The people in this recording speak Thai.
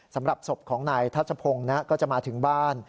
สำหรับศพของนายทัชพงศ์ก็จะมาถึงบ้าน